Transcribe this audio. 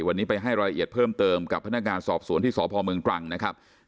วันนี้ไปให้รายละเอียดเพิ่มเติมกับพนักงานสอบสวนที่สพเมืองตรังนะครับ